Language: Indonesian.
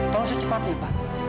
tolong secepatnya pak